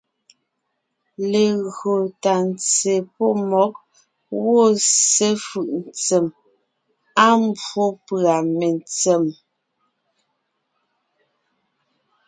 Legÿo tà ntse pɔ́ mmɔ̌g gwɔ̂ ssé fʉ̀’ ntsém, á mbwó pʉ̀a mentsém,